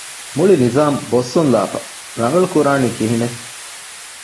މުޅި ނިޒާމު ބޮއްސުންލާފައި، ރަނގަޅުކުރާނީ ކިހިނެއް؟